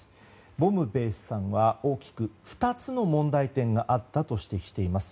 ボムベースさんは大きく２つの問題点があったと指摘しています。